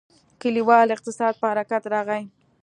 کلیوالي اقتصاد په حرکت راغی.